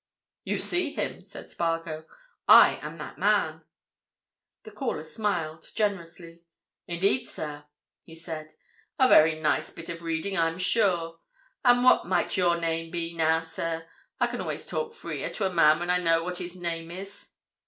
"You see him," said Spargo. "I am that man." The caller smiled—generously. "Indeed, sir?" he said. "A very nice bit of reading, I'm sure. And what might your name be, now, sir? I can always talk free er to a man when I know what his name is."